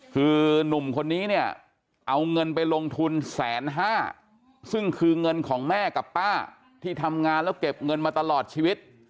คือหนุ่มคนนี้เนี่ยเอาเงินไปลงทุนแสนห้าซึ่งคือเงินของแม่กับป้าที่ทำงานแล้วเก็บเงินมาตลอดชีวิต